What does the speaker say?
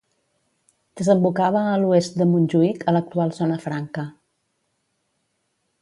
Desembocava a l'oest de Montjuïc, a l'actual Zona Franca.